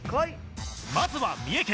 まずは三重県。